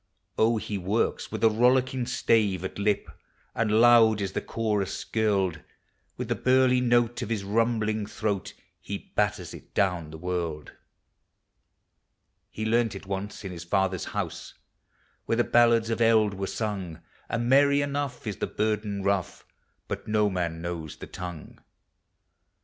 Oh, he works with a rollicking stave at lip, And loud is the chorus skirled; With the burly note of his rumbling throat He batters it down the world. He learned it once in his father's house, Where the ballads of eld were sung; O 7 And merry enough is the burden rough, But no man knows the tongue.